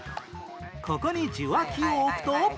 ここに受話器を置くと